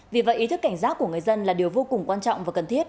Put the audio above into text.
vì vậy ý thức cảnh giác của người dân là điều vô cùng quan trọng và cần thiết